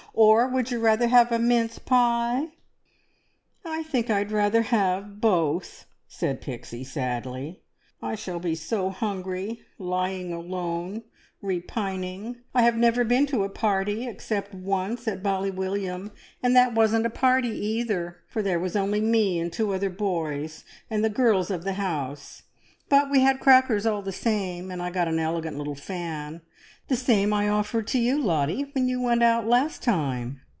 Or would you rather have a mince pie?" "I think I'd rather have both," said Pixie sadly. "I shall be so hungry, lying alone repining! I have never been to a party except once, at Bally William, and that wasn't a party either, for there was only me and two other boys, and the girls of the house, but we had crackers all the same, and I got an elegant little fan. The same I offered to you, Lottie, when you went out last time!"